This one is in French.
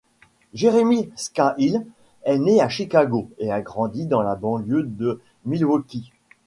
Jeremy Scahill est né à Chicago et a grandi dans la banlieue de Milwaukee.